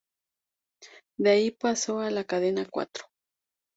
De ahí pasó a la cadena Cuatro.